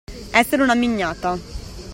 Essere una mignata.